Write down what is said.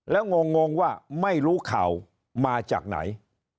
แล้วงงว่าไม่รู้ข่าวมาจากไหน